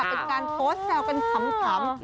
เป็นการโพสต์แซวกันขำ